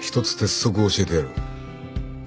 １つ鉄則を教えてやる。